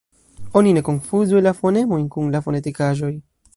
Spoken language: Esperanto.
Oni ne konfuzu la fonemojn kun la fonetikaĵoj.